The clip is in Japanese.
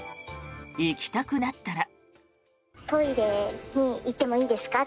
行きたくなったら。